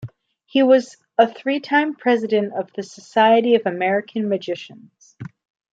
He was a three-time President of the Society of American Magicians.